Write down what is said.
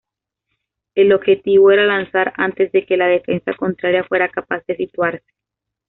El objetivo era lanzar antes de que la defensa contraria fuera capaz de situarse.